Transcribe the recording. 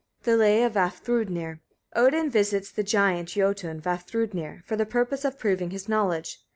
] THE LAY OF VAFTHRUDNIR. Odin visits the Giant (Jötun) Vafthrûdnir, for the purpose of proving his knowledge.